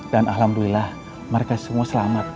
dan alhamdulillah mereka semua selamat